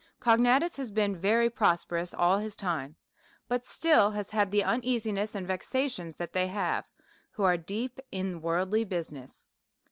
Cognatus has been very prosperous all his time ; but still he has had the uneasiness and vexations that they have who are deep in worldly business.